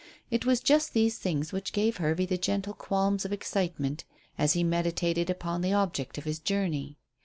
It was just these things which gave Hervey the gentle qualms of excitement as he meditated upon the object of his journey.